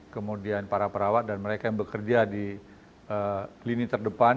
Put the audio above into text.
kemudian para perawat dan mereka yang bekerja di lini terdepan